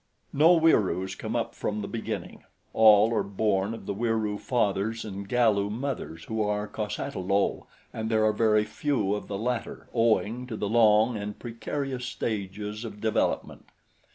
No Wieroos come up from the beginning all are born of the Wieroo fathers and Galu mothers who are cos ata lo, and there are very few of the latter owing to the long and precarious stages of development.